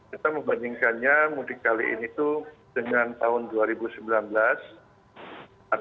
ya kita membandingkannya mudik kali ini tuh dengan tahun dua ribu dua puluh satu